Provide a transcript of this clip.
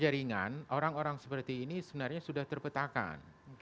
dalam petajaringan orang orang seperti ini sebenarnya sudah terpetakan